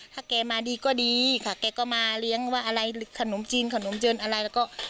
ถ้าแกมาดีก็ดีค่ะแกก็มาเลี้ยงว่าอะไรขนมจีนขนมเยินอะไรแล้วก็